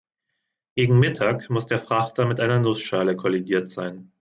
Gegen Mittag muss der Frachter mit einer Nussschale kollidiert sein.